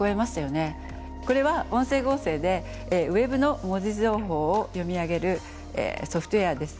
これは音声合成でＷｅｂの文字情報を読み上げるソフトウェアです。